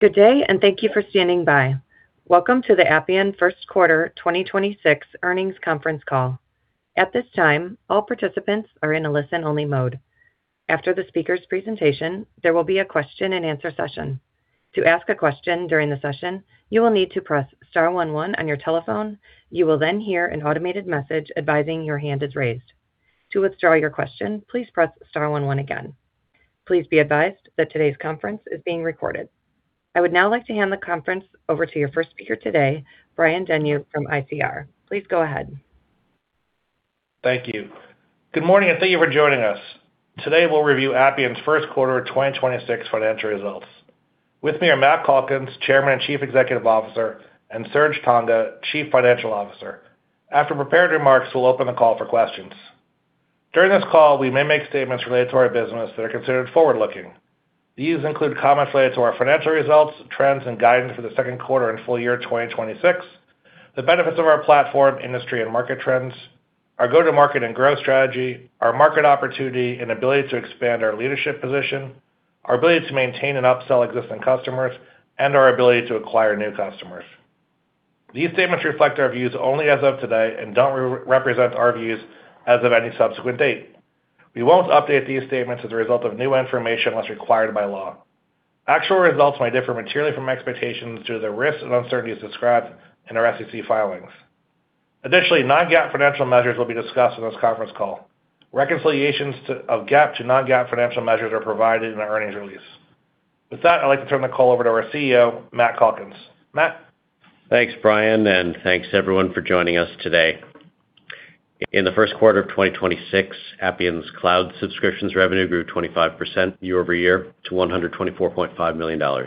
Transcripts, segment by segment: Good day and thank you for standing by. Welcome to the Appian first quarter 2026 earnings conference call. At this time, all participants are listen-only mode. After the speaker's presentation, there will be a question-and-answer session. To ask a question during the session, you will need to press star one one on your telephone. You will then hear an automated message advising your hand is raised. To withdraw your question, please press star one one again. Please be advised that today's conference is being recorded. I would now like to hand the conference over to your first speaker today, Brian Denyeau from ICR. Please go ahead. Thank you. Good morning, and thank you for joining us. Today, we'll review Appian's first quarter 2026 financial results. With me are Matt Calkins, Chairman and Chief Executive Officer, and Serge Tanjga, Chief Financial Officer. After prepared remarks, we'll open the call for questions. During this call, we may make statements related to our business that are considered forward-looking. These include comments related to our financial results, trends, and guidance for the second quarter and full year 2026, the benefits of our platform, industry, and market trends, our go-to-market and growth strategy, our market opportunity and ability to expand our leadership position, our ability to maintain and upsell existing customers, and our ability to acquire new customers. These statements reflect our views only as of today and don't re-represent our views as of any subsequent date. We won't update these statements as a result of new information unless required by law. Actual results may differ materially from expectations due to the risks and uncertainties described in our SEC filings. Additionally, non-GAAP financial measures will be discussed on this conference call. Reconciliations of GAAP to non-GAAP financial measures are provided in our earnings release. With that, I'd like to turn the call over to our CEO, Matt Calkins. Matt? Thanks, Brian Denyeau, thanks everyone for joining us today. In the first quarter of 2026, Appian's Cloud subscriptions revenue grew 25% year-over-year to $124.5 million.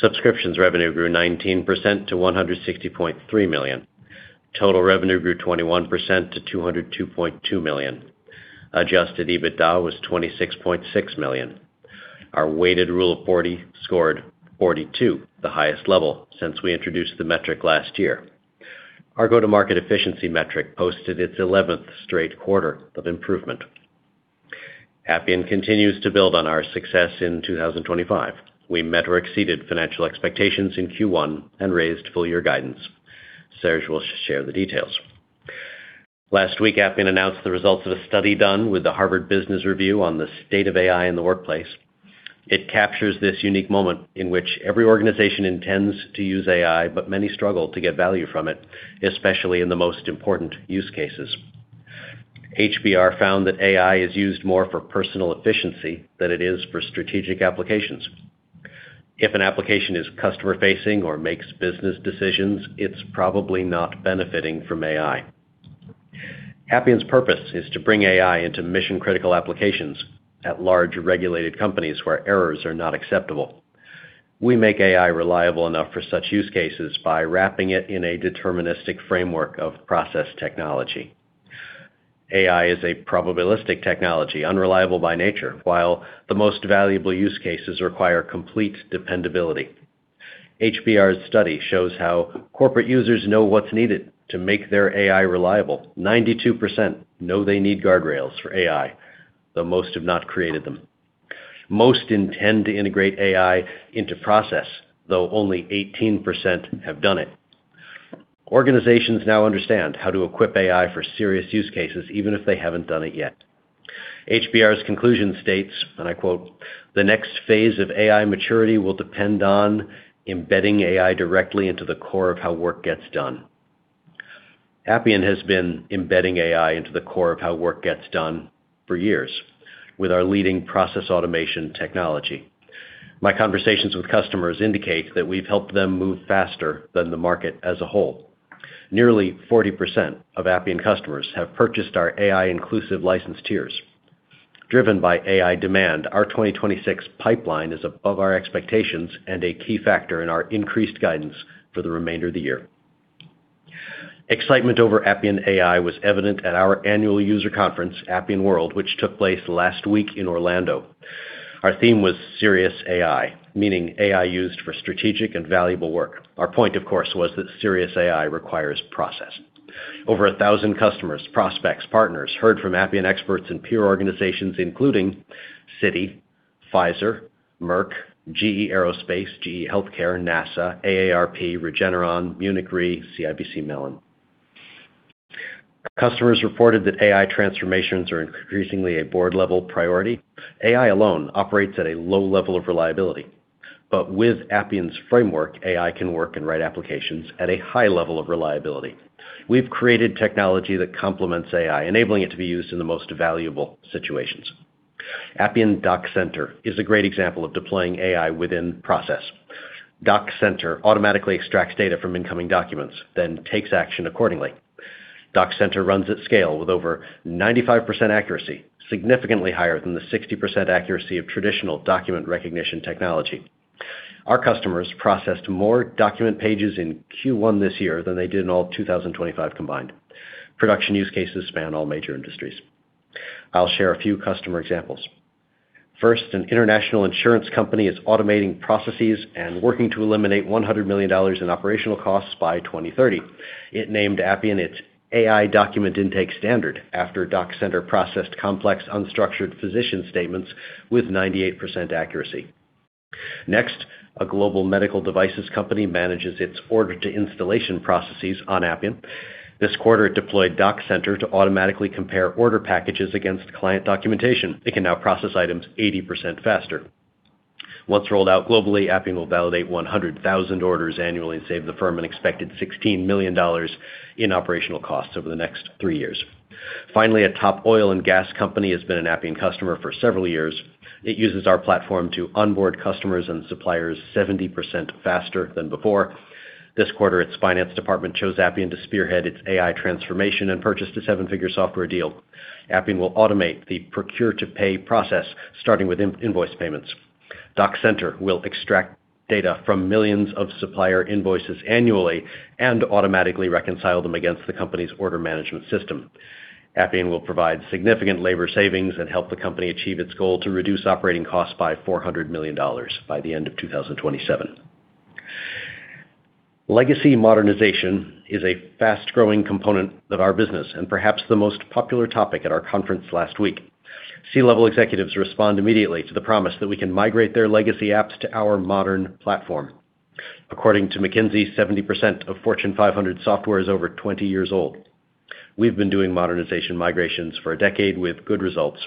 Subscriptions revenue grew 19% to $160.3 million. Total revenue grew 21% to $202.2 million. Adjusted EBITDA was $26.6 million. Our weighted Rule of 40 scored 42, the highest level since we introduced the metric last year. Our go-to-market efficiency metric posted its 11th straight quarter of improvement. Appian continues to build on our success in 2025. We met or exceeded financial expectations in Q1 and raised full-year guidance. Serge Tanjga will share the details. Last week, Appian announced the results of a study done with the Harvard Business Review on the state of AI in the workplace. It captures this unique moment in which every organization intends to use AI, but many struggle to get value from it, especially in the most important use cases. HBR found that AI is used more for personal efficiency than it is for strategic applications. If an application is customer-facing or makes business decisions, it's probably not benefiting from AI. Appian's purpose is to bring AI into mission-critical applications at large regulated companies where errors are not acceptable. We make AI reliable enough for such use cases by wrapping it in a deterministic framework of process technology. AI is a probabilistic technology, unreliable by nature. While the most valuable use cases require complete dependability. HBR's study shows how corporate users know what's needed to make their AI reliable. 92% know they need guardrails for AI, though most have not created them. Most intend to integrate AI into process, though only 18% have done it. Organizations now understand how to equip AI for serious use cases, even if they haven't done it yet. HBR's conclusion states, and I quote, "The next phase of AI maturity will depend on embedding AI directly into the core of how work gets done." Appian has been embedding AI into the core of how work gets done for years with our leading process automation technology. My conversations with customers indicate that we've helped them move faster than the market as a whole. Nearly 40% of Appian customers have purchased our AI-inclusive license tiers. Driven by AI demand, our 2026 pipeline is above our expectations and a key factor in our increased guidance for the remainder of the year. Excitement over Appian AI was evident at our annual user conference, Appian World, which took place last week in Orlando. Our theme was serious AI, meaning AI used for strategic and valuable work. Our point, of course, was that serious AI requires process. Over 1,000 customers, prospects, partners, heard from Appian experts and peer organizations including Citi, Pfizer, Merck, GE Aerospace, GE HealthCare, NASA, AARP, Regeneron, Munich Re, CIBC Mellon. Customers reported that AI transformations are increasingly a board-level priority. AI alone operates at a low level of reliability. With Appian's framework, AI can work and write applications at a high level of reliability. We've created technology that complements AI, enabling it to be used in the most valuable situations. Appian DocCenter is a great example of deploying AI within process. DocCenter automatically extracts data from incoming documents, then takes action accordingly. DocCenter runs at scale with over 95% accuracy, significantly higher than the 60% accuracy of traditional document recognition technology. Our customers processed more document pages in Q1 this year than they did in all of 2025 combined. Production use cases span all major industries. I'll share a few customer examples. First, an international insurance company is automating processes and working to eliminate $100 million in operational costs by 2030. It named Appian its AI document intake standard after DocCenter processed complex unstructured physician statements with 98% accuracy. Next, a global medical devices company manages its order to installation processes on Appian. This quarter, it deployed DocCenter to automatically compare order packages against client documentation. It can now process items 80% faster. Once rolled out globally, Appian will validate 100,000 orders annually and save the firm an expected $16 million in operational costs over the next three years. Finally, a top oil and gas company has been an Appian customer for several years. It uses our platform to onboard customers and suppliers 70% faster than before. This quarter, its finance department chose Appian to spearhead its AI transformation and purchased a Seven-figure software deal. Appian will automate the procure-to-pay process, starting with in-invoice payments. DocCenter will extract data from millions of supplier invoices annually and automatically reconcile them against the company's order management system. Appian will provide significant labor savings and help the company achieve its goal to reduce operating costs by $400 million by the end of 2027. Legacy modernization is a fast-growing component of our business and perhaps the most popular topic at our conference last week. C-level executives respond immediately to the promise that we can migrate their legacy apps to our modern platform. According to McKinsey, 70% of Fortune 500 software is over 20 years old. We've been doing modernization migrations for a decade with good results.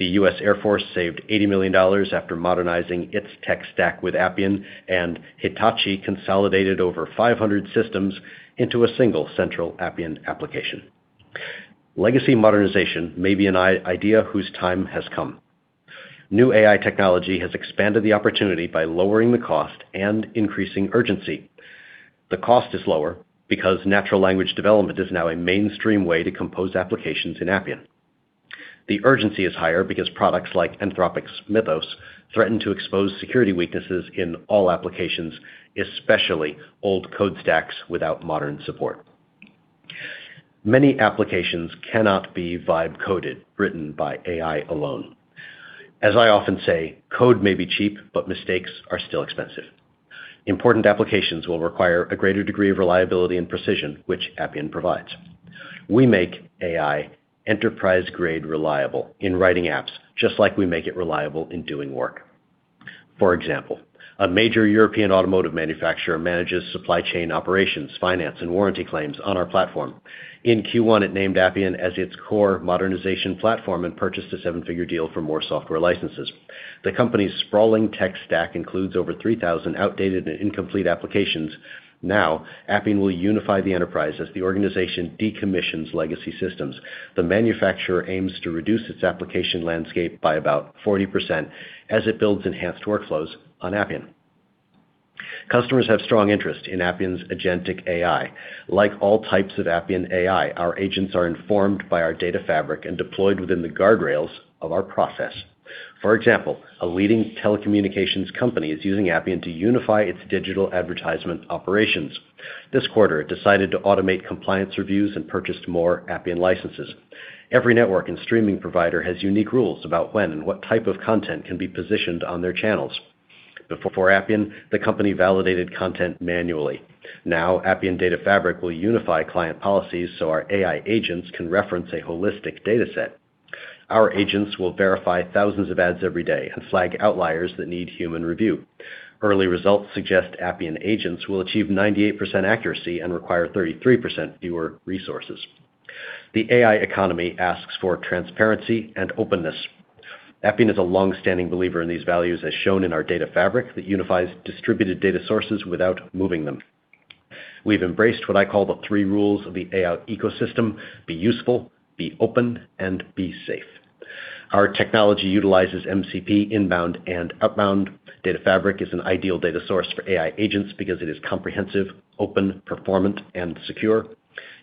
The U.S. Air Force saved $80 million after modernizing its tech stack with Appian, and Hitachi consolidated over 500 systems into a single central Appian application. Legacy modernization may be an idea whose time has come. New AI technology has expanded the opportunity by lowering the cost and increasing urgency. The cost is lower because natural language development is now a mainstream way to compose applications in Appian. The urgency is higher because products like Anthropic's Claude Mythos threaten to expose security weaknesses in all applications, especially old code stacks without modern support. Many applications cannot be vibe coded, written by AI alone. As I often say, code may be cheap, but mistakes are still expensive. Important applications will require a greater degree of reliability and precision, which Appian provides. We make AI enterprise-grade reliable in writing apps, just like we make it reliable in doing work. For example, a major European automotive manufacturer manages supply chain operations, finance, and warranty claims on our platform. In Q1, it named Appian as its core modernization platform and purchased a Seven-figure deal for more software licenses. The company's sprawling tech stack includes over 3,000 outdated and incomplete applications. Now, Appian will unify the enterprise as the organization decommissions legacy systems. The manufacturer aims to reduce its application landscape by about 40% as it builds enhanced workflows on Appian. Customers have strong interest in Appian's agentic AI. Like all types of Appian AI, our agents are informed by our Data Fabric and deployed within the guardrails of our process. For example, a leading telecommunications company is using Appian to unify its digital advertisement operations. This quarter, it decided to automate compliance reviews and purchased more Appian licenses. Every network and streaming provider has unique rules about when and what type of content can be positioned on their channels. Before Appian, the company validated content manually. Now, Appian Data Fabric will unify client policies so our AI agents can reference a holistic dataset. Our agents will verify thousands of ads every day and flag outliers that need human review. Early results suggest Appian agents will achieve 98% accuracy and require 33% fewer resources. The AI economy asks for transparency and openness. Appian is a longstanding believer in these values, as shown in our Data Fabric that unifies distributed data sources without moving them. We've embraced what I call the three rules of the AI ecosystem: be useful, be open, and be safe. Our technology utilizes MCP inbound and outbound. Data Fabric is an ideal data source for AI agents because it is comprehensive, open, performant, and secure.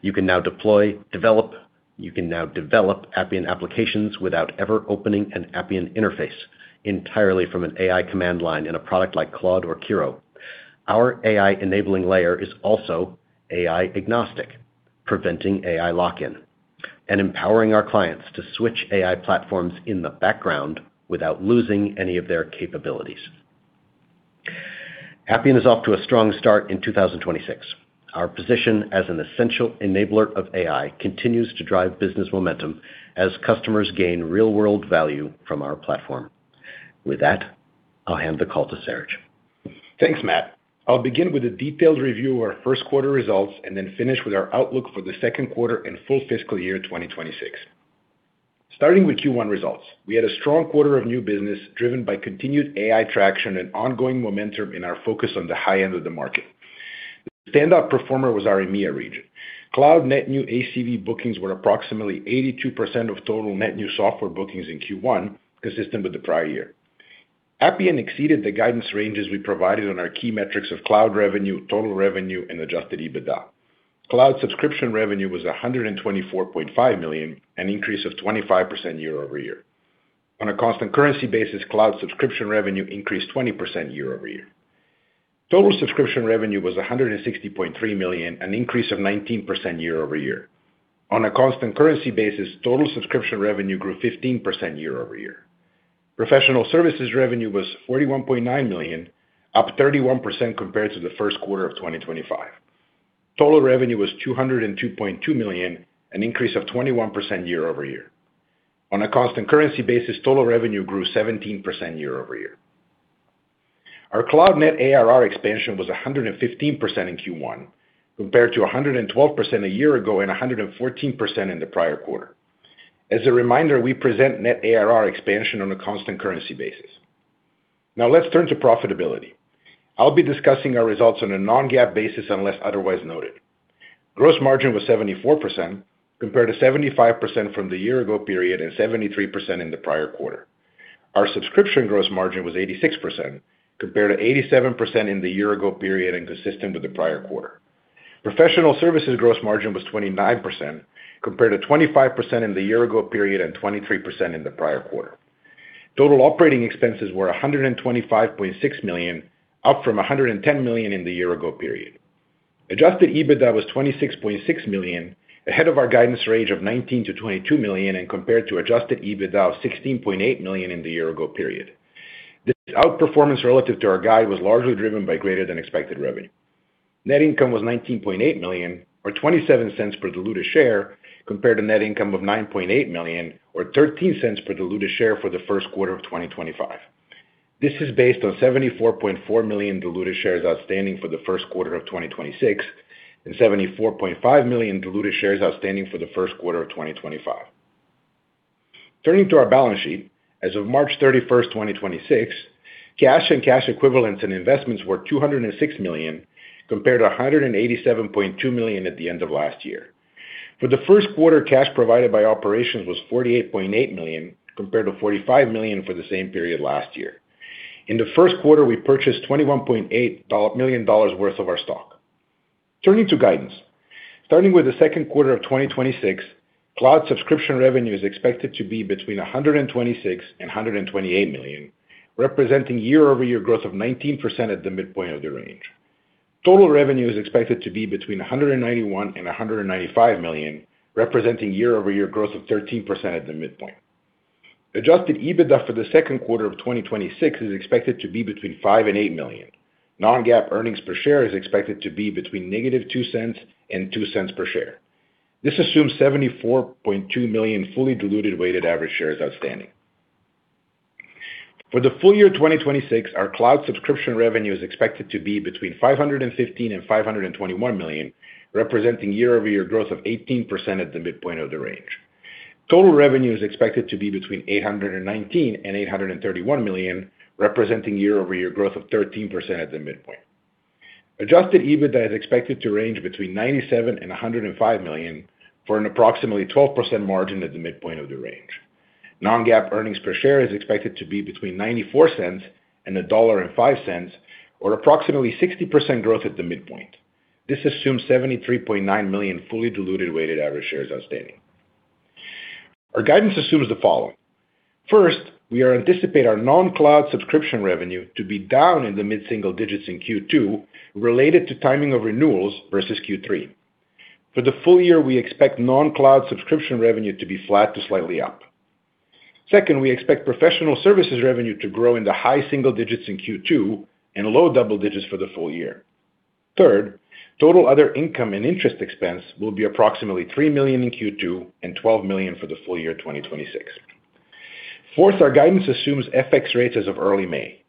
You can now deploy develop; you can now develop Appian applications without ever opening an Appian interface entirely from an AI command line in a product like Claude or Cursor. Our AI-enabling layer is also AI-agnostic, preventing AI lock-in and empowering our clients to switch AI platforms in the background without losing any of their capabilities. Appian is off to a strong start in 2026. Our position as an essential enabler of AI continues to drive business momentum as customers gain real-world value from our platform. With that, I'll hand the call to Serge. Thanks, Matt. I'll begin with a detailed review of our first quarter results and then finish with our outlook for the second quarter and full fiscal year 2026. Starting with Q1 results, we had a strong quarter of new business driven by continued AI traction and ongoing momentum in our focus on the high end of the market. The standout performer was our EMEA region. Cloud Net New ACV bookings were approximately 82% of total net new software bookings in Q1, consistent with the prior year. Appian exceeded the guidance ranges we provided on our key metrics of Cloud revenue, total revenue, and Adjusted EBITDA. Cloud subscription revenue was $124.5 million, an increase of 25% year-over-year. On a constant currency basis, Cloud subscription revenue increased 20% year-over-year. Total subscription revenue was $160.3 million, an increase of 19% year-over-year. On a constant currency basis, total subscription revenue grew 15% year-over-year. Professional services revenue was $41.9 million, up 31% compared to the first quarter of 2025. Total revenue was $202.2 million, an increase of 21% year-over-year. On a constant currency basis, total revenue grew 17% year-over-year. Our Cloud Net ARR expansion was 115% in Q1, compared to 112% a year ago and 114% in the prior quarter. As a reminder, we present net ARR expansion on a constant currency basis. Now let's turn to profitability. I'll be discussing our results on a non-GAAP basis unless otherwise noted. Gross margin was 74%, compared to 75% from the year-ago period and 73% in the prior quarter. Our subscription gross margin was 86%, compared to 87% in the year-ago period and consistent with the prior quarter. Professional Services Gross Margin was 29%, compared to 25% in the year-ago period and 23% in the prior quarter. Total operating expenses were $125.6 million, up from $110 million in the year-ago period. Adjusted EBITDA was $26.6 million, ahead of our guidance range of $19 million-$22 million and compared to Adjusted EBITDA of $16.8 million in the year-ago period. This outperformance relative to our guide was largely driven by greater than expected revenue. Net income was $19.8 million, or $0.27 per diluted share, compared to net income of $9.8 million, or $0.13 per diluted share for the first quarter of 2025. This is based on 74.4 million diluted shares outstanding for the first quarter of 2026 and 74.5 million diluted shares outstanding for the first quarter of 2025. Turning to our balance sheet. As of March 31st, 2026, cash and cash equivalents and investments were $206 million, compared to $187.2 million at the end of last year. For the first quarter, cash provided by operations was $48.8 million, compared to $45 million for the same period last year. In the first quarter, we purchased $21.8 million worth of our stock. Turning to guidance. Starting with the second quarter of 2026, Cloud subscription revenue is expected to be between $126 million and $128 million, representing year-over-year growth of 19% at the midpoint of the range. Total revenue is expected to be between $191 million and $195 million, representing year-over-year growth of 13% at the midpoint. Adjusted EBITDA for the second quarter of 2026 is expected to be between $5 million and $8 million. Non-GAAP earnings per share is expected to be between -$0.02 and $0.02 per share. This assumes 74.2 million fully diluted weighted average shares outstanding. For the full year 2026, our Cloud subscription revenue is expected to be between $515 million and $521 million, representing year-over-year growth of 18% at the midpoint of the range. Total revenue is expected to be between $819 million and $831 million, representing year-over-year growth of 13% at the midpoint. Adjusted EBITDA is expected to range between $97 million and $105 million, for an approximately 12% margin at the midpoint of the range. Non-GAAP earnings per share is expected to be between $0.94 and $1.05, or approximately 60% growth at the midpoint. This assumes 73.9 million fully diluted weighted average shares outstanding. Our guidance assumes the following. First, we anticipate our Non-Cloud subscription revenue to be down in the mid-single digits in Q2 related to timing of renewals versus Q3. For the full year, we expect Non-Cloud subscription revenue to be flat to slightly up. Second, we expect professional services revenue to grow in the high single digits in Q2 and low double digits for the full year. Third, total other income and interest expense will be approximately $3 million in Q2 and $12 million for the full year 2026. Fourth, our guidance assumes FX rates as of early May.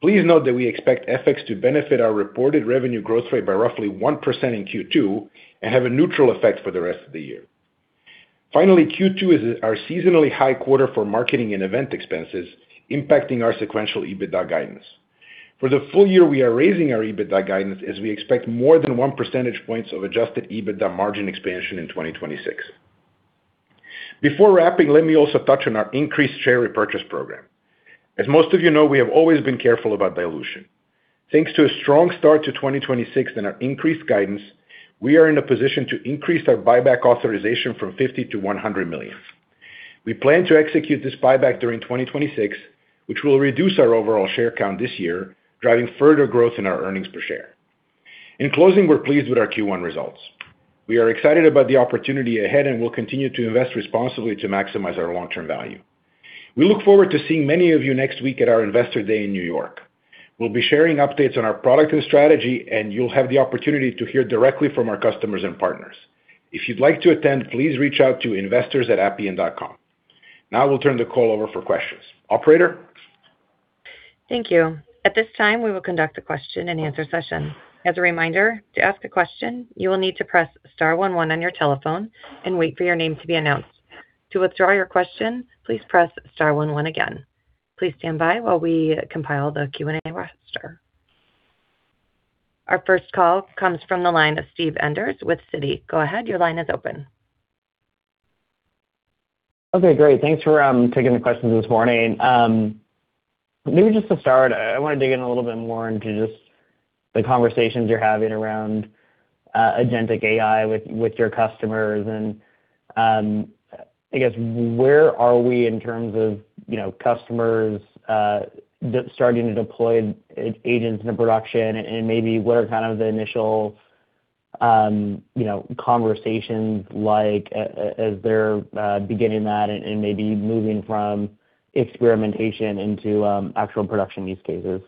Please note that we expect FX to benefit our reported revenue growth rate by roughly 1% in Q2 and have a neutral effect for the rest of the year. Finally, Q2 is our seasonally high quarter for marketing and event expenses, impacting our sequential EBITDA guidance. For the full year, we are raising our EBITDA guidance as we expect more than 1 percentage points of Adjusted EBITDA margin expansion in 2026. Before wrapping, let me also touch on our increased share repurchase program. As most of you know, we have always been careful about dilution. Thanks to a strong start to 2026 and our increased guidance, we are in a position to increase our buyback authorization from $50 million-$100 million. We plan to execute this buyback during 2026, which will reduce our overall share count this year, driving further growth in our earnings per share. In closing, we're pleased with our Q1 results. We are excited about the opportunity ahead, and we'll continue to invest responsibly to maximize our long-term value. We look forward to seeing many of you next week at our Investor Day in New York. We'll be sharing updates on our product and strategy, and you'll have the opportunity to hear directly from our customers and partners. If you'd like to attend, please reach out to investors at appian.com. Now I will turn the call over for questions. Operator? Thank you. At this time, we will conduct a question-and-answer session. As a reminder, to ask a question, you will need to press star one one on your telephone and wait for your name to be announced. To withdraw your question, please press star one one again. Please stand by while we compile the Q&A roster. Our first call comes from the line of Steve Enders with Citi. Go ahead, your line is open. Okay, great. Thanks for taking the questions this morning. Maybe just to start, I wanna dig in a little bit more into just the conversations you're having around agentic AI with your customers. I guess where are we in terms of, you know, customers starting to deploy agents into production? Maybe what are kind of the initial, you know, conversations like as they're beginning that and maybe moving from experimentation into actual production use cases?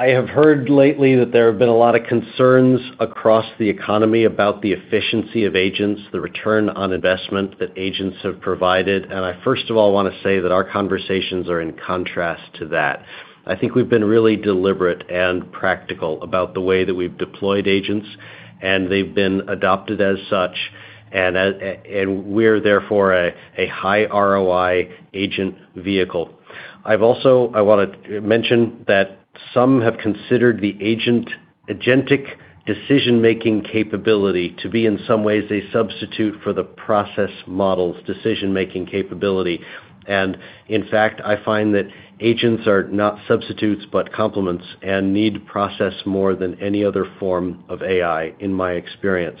I have heard lately that there have been a lot of concerns across the economy about the efficiency of agents, the Return on Investment that agents have provided. I first of all want to say that our conversations are in contrast to that. I think we've been really deliberate and practical about the way that we've deployed agents, and they've been adopted as such. We're therefore a high ROI agent vehicle. I've also I want to mention that some have considered the agentic decision-making capability to be, in some ways, a substitute for the process model's decision-making capability. In fact, I find that agents are not substitutes, but complements, and need process more than any other form of AI, in my experience.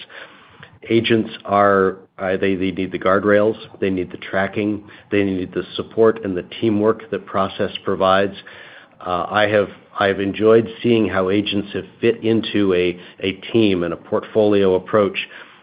Agents are, they need the guardrails, they need the tracking, they need the support and the teamwork that process provides. I have, I've enjoyed seeing how agents have fit into a team and a portfolio approach.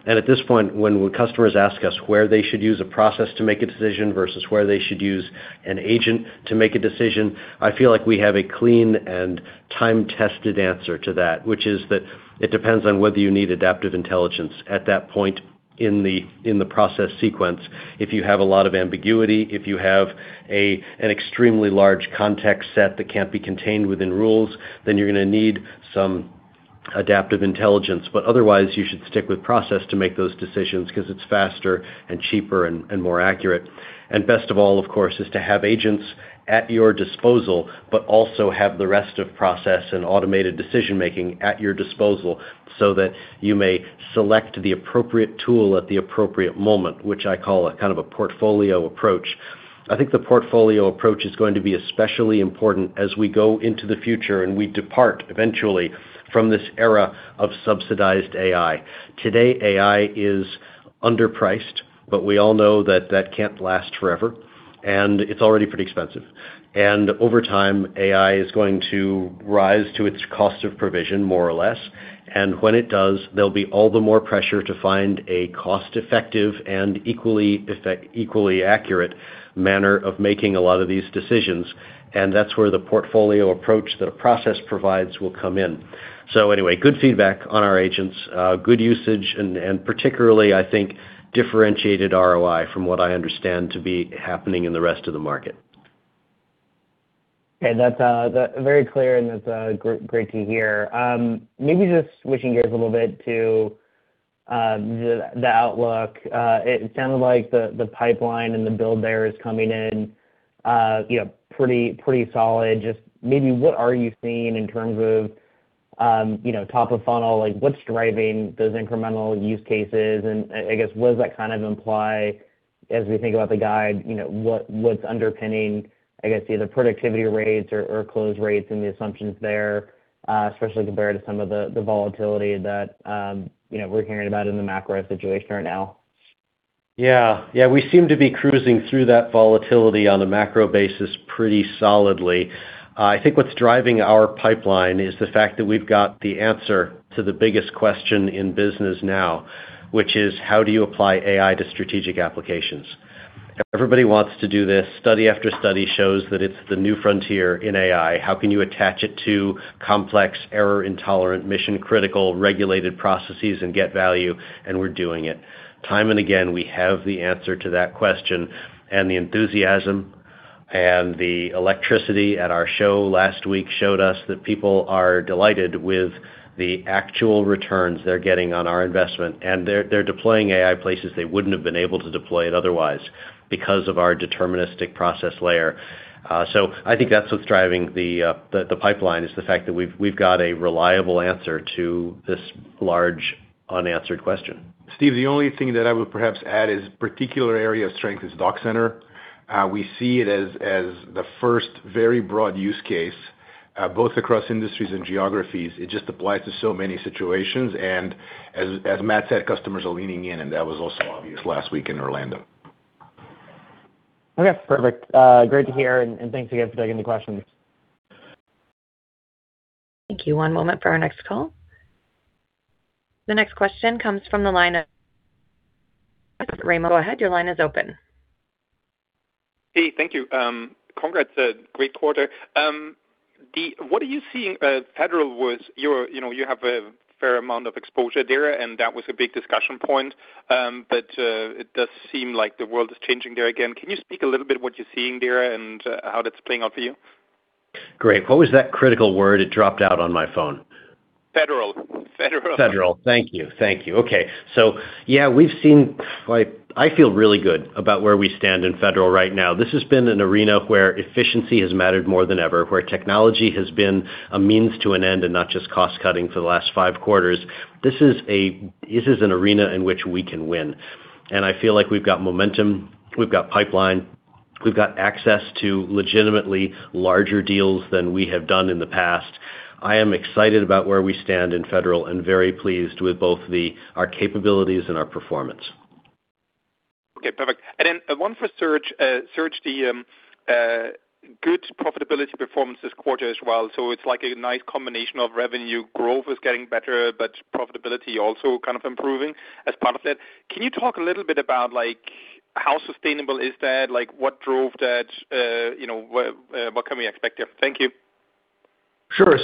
At this point, when customers ask us where they should use a process to make a decision versus where they should use an agent to make a decision, I feel like we have a clean and time-tested answer to that, which is that it depends on whether you need adaptive intelligence at that point in the process sequence. If you have a lot of ambiguity, if you have an extremely large context set that can't be contained within rules, then you're gonna need some adaptive intelligence. Otherwise, you should stick with process to make those decisions cause it's faster and cheaper and more accurate. Best of all, of course, is to have agents at your disposal, but also have the rest of process and automated decision-making at your disposal so that you may select the appropriate tool at the appropriate moment, which I call a kind of a portfolio approach. I think the portfolio approach is going to be especially important as we go into the future and we depart eventually from this era of subsidized AI. Today, AI is underpriced, but we all know that that can't last forever, and it's already pretty expensive. Over time, AI is going to rise to its cost of provision, more or less. When it does, there'll be all the more pressure to find a cost-effective and equally accurate manner of making a lot of these decisions, and that's where the portfolio approach that a process provides will come in. Good feedback on our agents, good usage and particularly, I think differentiated ROI from what I understand to be happening in the rest of the market. Okay. That's that very clear, and that's great to hear. Maybe just switching gears a little bit to the outlook. It sounded like the pipeline and the build there is coming in, you know, pretty solid. Just maybe what are you seeing in terms of, you know, top of funnel, like what's driving those incremental use cases? I guess, what does that kind of imply as we think about the guide, you know, what's underpinning, I guess, either productivity rates or close rates and the assumptions there, especially compared to some of the volatility that, you know, we're hearing about in the macro situation right now? Yeah. Yeah, we seem to be cruising through that volatility on a macro basis pretty solidly. I think what's driving our pipeline is the fact that we've got the answer to the biggest question in business now, which is: How do you apply AI to strategic applications? Everybody wants to do this. Study after study shows that it's the new frontier in AI. How can you attach it to complex error intolerant, mission-critical, regulated processes and get value? We're doing it. Time and again, we have the answer to that question. The enthusiasm and the electricity at our show last week showed us that people are delighted with the actual returns they're getting on our investment. They're deploying AI places they wouldn't have been able to deploy it otherwise because of our deterministic process layer. I think that's what's driving the pipeline, is the fact that we've got a reliable answer to this large unanswered question. Steve, the only thing that I would perhaps add is particular area of strength is DocCenter. We see it as the first very broad use case, both across industries and geographies. It just applies to so many situations. As Matt said, customers are leaning in, and that was also obvious last week in Orlando. Okay, perfect. Great to hear and thanks again for taking the questions. Thank you. One moment for our next call. The next question comes from the line of Raimo Lenschow of Barclays, go ahead. Your line is open. Hey, thank you. Congrats, a great quarter. The what are you seeing, Federal was your, you know, you have a fair amount of exposure there, and that was a big discussion point. It does seem like the world is changing there again. Can you speak a little bit what you're seeing there and how that's playing out for you? Great. What was that critical word? It dropped out on my phone. Federal. Federal. Thank you. Thank you. Okay. Yeah, I feel really good about where we stand in federal right now. This has been an arena where efficiency has mattered more than ever, where technology has been a means to an end and not just cost-cutting for the last five quarters. This is an arena in which we can win, and I feel like we've got momentum, we've got pipeline, we've got access to legitimately larger deals than we have done in the past. I am excited about where we stand in federal and very pleased with both our capabilities and our performance. Okay, perfect. Then one for Serge. Serge, the good profitability performance this quarter as well. It's like a nice combination of revenue growth is getting better, but profitability also kind of improving as part of that. Can you talk a little bit about like? How sustainable is that? Like what drove that? You know, what can we expect here? Thank you. Sure.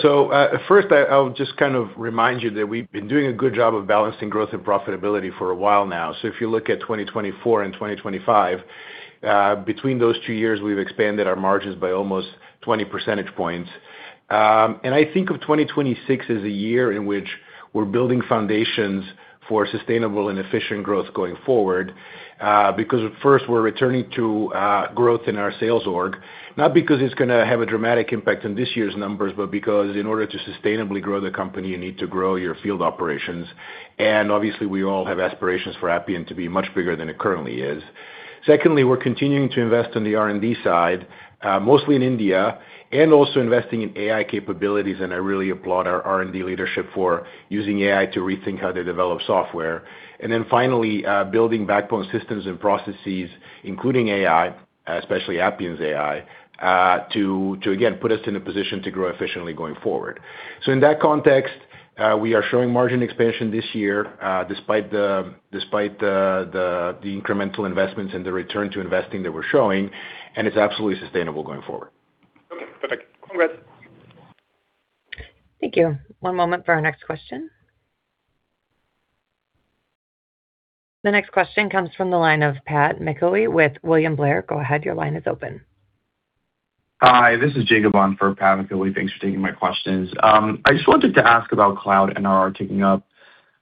First I'll just kind of remind you that we've been doing a good job of balancing growth and profitability for a while now. If you look at 2024 and 2025, between those two years, we've expanded our margins by almost 20 percentage points. I think of 2026 as a year in which we're building foundations for sustainable and efficient growth going forward, because at first we're returning to growth in our sales organization, not because it's gonna have a dramatic impact on this year's numbers, but because in order to sustainably grow the company, you need to grow your field operations. Obviously, we all have aspirations for Appian to be much bigger than it currently is. Secondly, we're continuing to invest in the R&D side, mostly in India, and also investing in AI capabilities, and I really applaud our R&D leadership for using AI to rethink how they develop software. Finally, building backbone systems and processes, including AI, especially Appian AI, to again, put us in a position to grow efficiently going forward. In that context, we are showing margin expansion this year, despite the incremental investments and the return to investing that we're showing, and it's absolutely sustainable going forward. Okay. Perfect. Congrats. Thank you. One moment for our next question. The next question comes from the line of Patrick McIlwee with William Blair. Go ahead, your line is open. Hi, this is Jacob on for Patrick McIlwee. Thanks for taking my questions. I just wanted to ask about Cloud NRR ticking up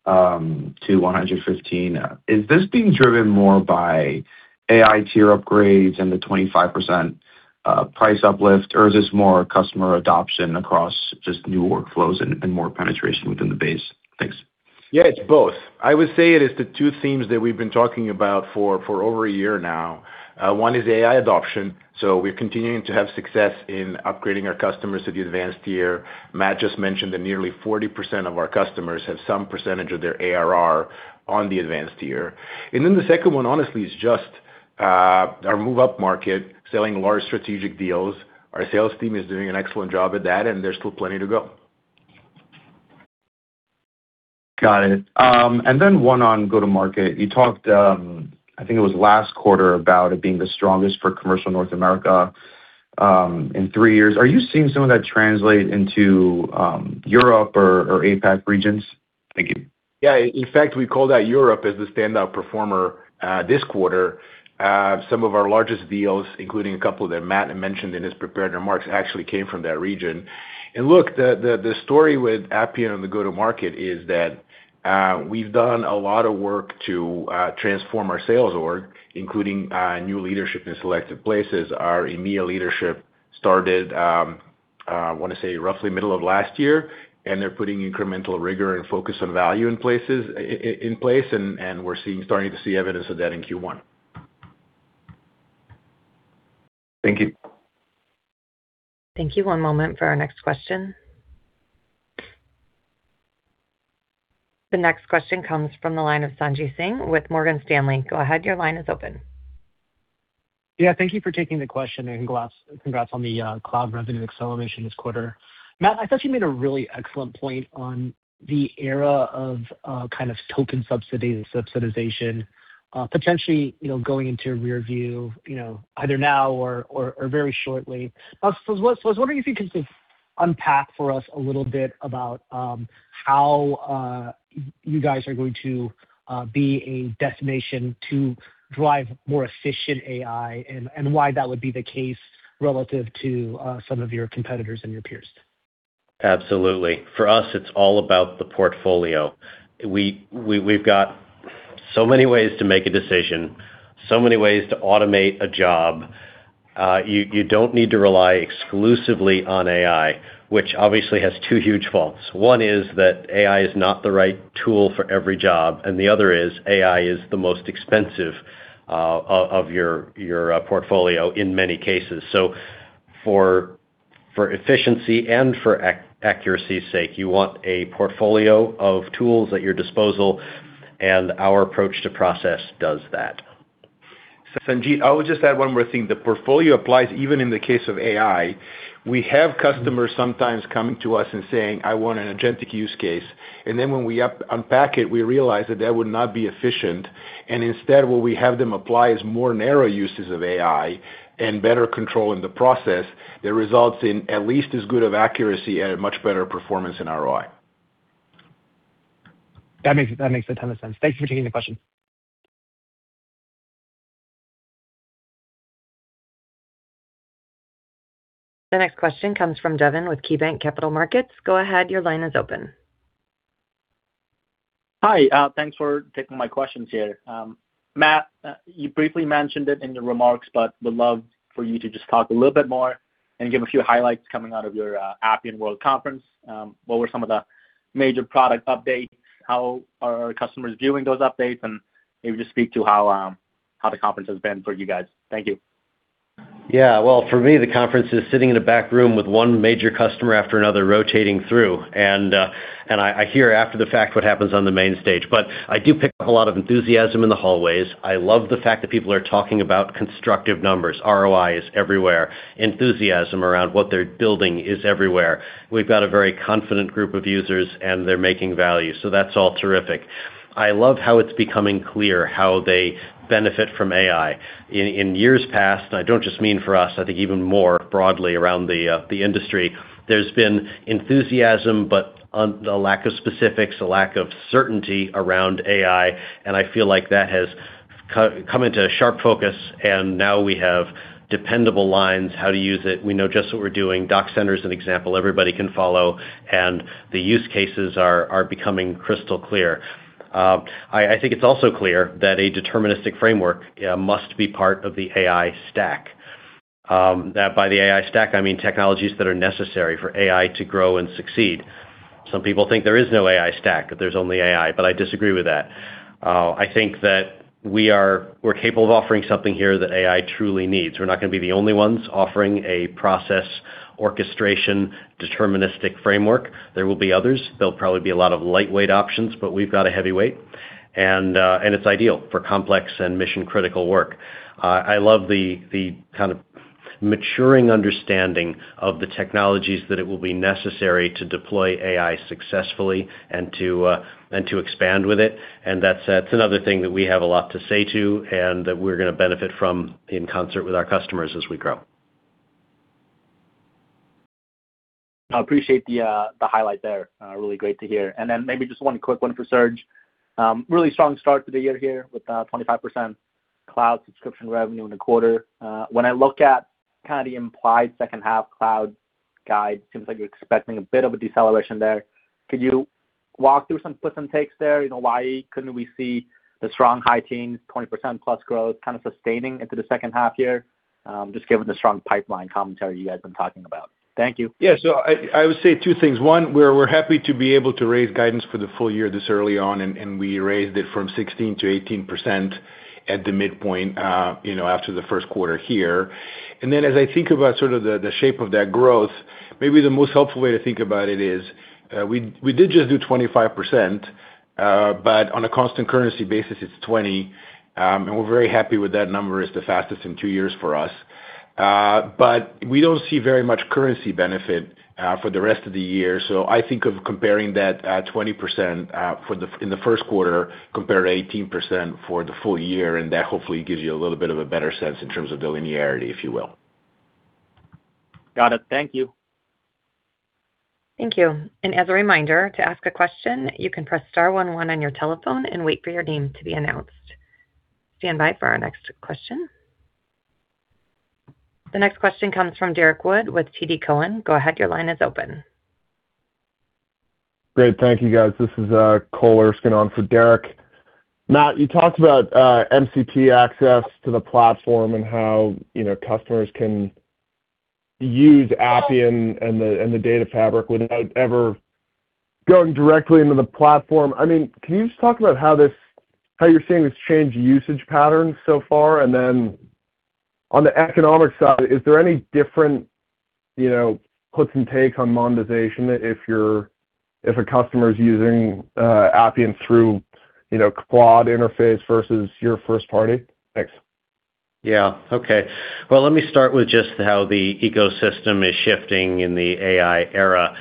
to 115. Is this being driven more by AI tier upgrades and the 25% price uplift, or is this more customer adoption across just new workflows and more penetration within the base? Thanks. Yeah, it's both. I would say it is the two themes that we've been talking about for over a year now. One is AI adoption. We're continuing to have success in upgrading our customers to the advanced tier. Matt just mentioned that nearly 40% of our customers have some percentage of their ARR on the advanced tier. The second one, honestly, is just our move up market, selling large strategic deals. Our sales team is doing an excellent job at that, and there's still plenty to go. Got it. One on go-to-market. You talked, I think it was last quarter, about it being the strongest for commercial North America in three years. Are you seeing some of that translate into Europe or APAC regions? Thank you. Yeah. In fact, we call that Europe as the standout performer this quarter. Some of our largest deals, including a couple that Matt mentioned in his prepared remarks, actually came from that region. Look, the story with Appian on the go-to-market is that we've done a lot of work to transform our sales organization, including new leadership in selected places. Our EMEA leadership started, I wanna say roughly middle of last year, they're putting incremental rigor and focus on value in places, in place, and we're starting to see evidence of that in Q1. Thank you. Thank you. One moment for our next question. The next question comes from the line of Sanjit Singh with Morgan Stanley. Go ahead, your line is open. Yeah, thank you for taking the question. Congrats on the Cloud Revenue Acceleration this quarter. Matt, I thought you made a really excellent point on the era of kind of token subsidization potentially, you know, going into rear view, you know, either now or very shortly. I was wondering if you could just unpack for us a little bit about how you guys are going to be a destination to drive more efficient AI and why that would be the case relative to some of your competitors and your peers. Absolutely. For us, it's all about the portfolio. We've got so many ways to make a decision, so many ways to automate a job. You don't need to rely exclusively on AI, which obviously has two huge faults. One is that AI is not the right tool for every job, and the other is AI is the most expensive of your portfolio in many cases. For efficiency and for accuracy's sake, you want a portfolio of tools at your disposal, and our approach to process does that. Sanjit, I would just add one more thing. The portfolio applies even in the case of AI. We have customers sometimes coming to us and saying, "I want an agentic use case." When we unpack it, we realize that that would not be efficient. Instead, what we have them apply is more narrow uses of AI and better control in the process that results in at least as good of accuracy and a much better performance in ROI. That makes a ton of sense. Thank you for taking the question. The next question comes from Devin Au with KeyBanc Capital Markets. Go ahead, your line is open. Hi. Thanks for taking my questions here. Matt, you briefly mentioned it in your remarks, but would love for you to just talk a little bit more and give a few highlights coming out of your Appian World Conference. What were some of the major product updates? How are our customers viewing those updates? Maybe just speak to how the conference has been for you guys. Thank you. Yeah. Well, for me, the conference is sitting in a back room with one major customer after another rotating through. I hear after the fact what happens on the main stage. I do pick up a lot of enthusiasm in the hallways. I love the fact that people are talking about constructive numbers. ROI is everywhere. Enthusiasm around what they're building is everywhere. We've got a very confident group of users, and they're making value, so that's all terrific. I love how it's becoming clear how they benefit from AI. In years past, and I don't just mean for us, I think even more broadly around the industry, there's been enthusiasm, a lack of specifics, a lack of certainty around AI, and I feel like that has come into sharp focus, now we have dependable lines, how to use it. We know just what we're doing. DocCenter is an example everybody can follow, and the use cases are becoming crystal clear. I think it's also clear that a deterministic framework must be part of the AI stack. That by the AI stack, I mean technologies that are necessary for AI to grow and succeed. Some people think there is no AI stack, that there's only AI, but I disagree with that. I think that we're capable of offering something here that AI truly needs. We're not gonna be the only ones offering a process orchestration deterministic framework. There will be others. There'll probably be a lot of lightweight options, but we've got a heavyweight, and it's ideal for complex and mission-critical work. I love the kind of maturing understanding of the technologies that it will be necessary to deploy AI successfully and to expand with it. That's another thing that we have a lot to say to and that we're gonna benefit from in concert with our customers as we grow. I appreciate the highlight there. Really great to hear. Maybe just one quick one for Serge. Really strong start to the year here with 25% Cloud subscription revenue in the quarter. When I look at kinda the implied second half Cloud guide, seems like you're expecting a bit of a deceleration there. Could you walk through some puts and takes there? You know, why couldn't we see the strong high teens, 20%+ growth kind of sustaining into the second half year, just given the strong pipeline commentary you guys have been talking about? Thank you. I would say two things. One, we're happy to be able to raise guidance for the full year this early on, and we raised it from 16%-18% at the midpoint, you know, after the first quarter here. As I think about sort of the shape of that growth, maybe the most helpful way to think about it is, we did just do 25%, but on a constant currency basis, it's 20, and we're very happy with that number. It's the fastest in two years for us. We don't see very much currency benefit for the rest of the year. I think of comparing that 20% in the first quarter compared to 18% for the full year, that hopefully gives you a little bit of a better sense in terms of the linearity, if you will. Got it. Thank you. Thank you. As a reminder, to ask a question, you can press star one one on your telephone and wait for your name to be announced. Stand by for our next question. The next question comes from Derrick Wood with TD Cowen. Go ahead, your line is open. Great. Thank you, guys. This is Cole Erskine on for Derrick Wood. Matt Calkins, you talked about MCP access to the platform and how, you know, customers can use Appian and the Data Fabric without ever going directly into the platform. I mean, can you just talk about how you're seeing this change usage patterns so far? Then on the economic side, is there any different, you know, puts and take on monetization if a customer is using Appian through, you know, Cloud interface versus your first party? Thanks. Yeah. Okay. Well, let me start with just how the ecosystem is shifting in the AI era.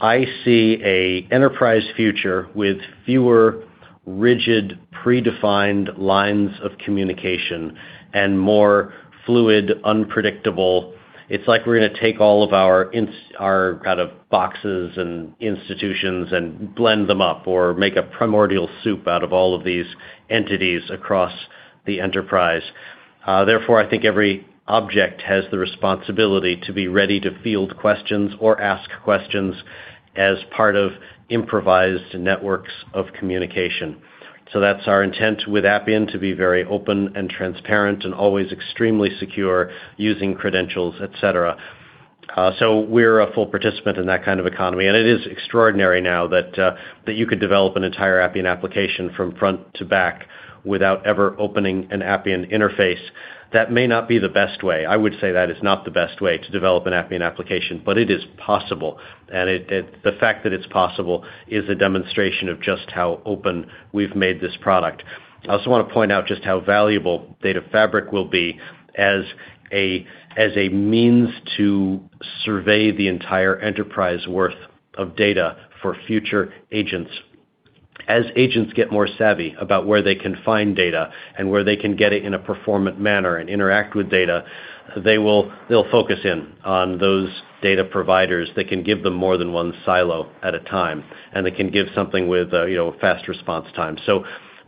I see a enterprise future with fewer rigid, predefined lines of communication and more fluid, unpredictable. It's like we're gonna take all of our kind of boxes and institutions and blend them up or make a primordial soup out of all of these entities across the enterprise. Therefore, I think every object has the responsibility to be ready to field questions or ask questions as part of improvised networks of communication. That's our intent with Appian, to be very open and transparent and always extremely secure using credentials, et cetera. We're a full participant in that kind of economy. It is extraordinary now that you could develop an entire Appian application from front to back without ever opening an Appian interface. That may not be the best way. I would say that is not the best way to develop an Appian application, but it is possible. The fact that it's possible is a demonstration of just how open we've made this product. I also wanna point out just how valuable Data Fabric will be as a means to survey the entire enterprise worth of data for future agents. As agents get more savvy about where they can find data and where they can get it in a performant manner and interact with data, they'll focus in on those data providers that can give them more than one silo at a time, and that can give something with, you know, fast response time.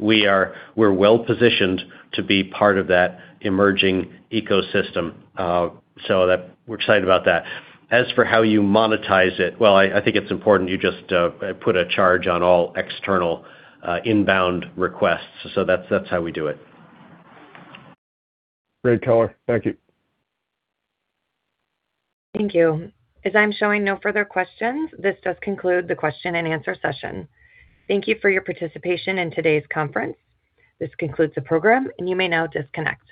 We're well-positioned to be part of that emerging ecosystem. We're excited about that. As for how you monetize it, well, I think it's important you just put a charge on all external, inbound requests. That's how we do it. Great, color. Thank you. Thank you. As I'm showing no further questions, this does conclude the question-and-answer session. Thank you for your participation in today's conference. This concludes the program, and you may now disconnect.